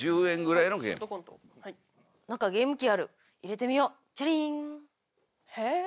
何かゲーム機ある入れてみようチャリン。